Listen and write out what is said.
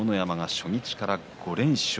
初日から５連勝。